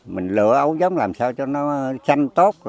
mình lựa ấu giống làm sao cho nó xanh tốt